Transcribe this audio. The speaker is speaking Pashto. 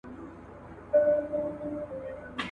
که ته مرسته وکړي نو کار به ډېر ژر خلاص سي.